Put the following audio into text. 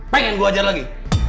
pengen gue ajar lagi